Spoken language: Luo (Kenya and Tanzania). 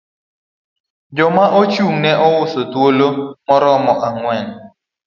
Joma ochung' ne uso, thuolo maromo ang'wen.